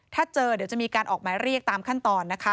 ถ้าเจอเดี๋ยวจะมีการออกหมายเรียกตามขั้นตอนนะคะ